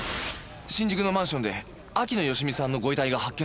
新宿のマンションで秋野芳美さんのご遺体が発見されたそうです。